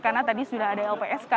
karena tadi sudah ada lpsk